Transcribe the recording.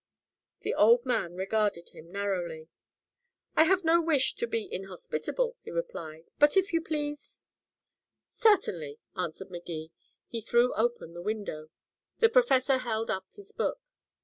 The old man regarded him narrowly. "I have no wish to be inhospitable," he replied. "But if you please " "Certainly," answered Magee. He threw open the window. The professor held up his book.